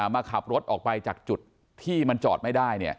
มาขับรถออกไปจากจุดที่มันจอดไม่ได้